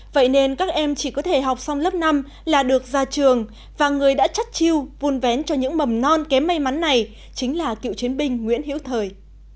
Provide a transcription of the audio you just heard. vậy nên các em chỉ có thể học xong lớp năm là được ra trường và người đã chắc chiêu vun vén cho những mầm non kém may mắn này chính là cựu chiến binh nguyễn hiễu thời